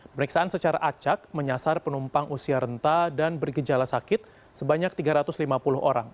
pemeriksaan secara acak menyasar penumpang usia renta dan bergejala sakit sebanyak tiga ratus lima puluh orang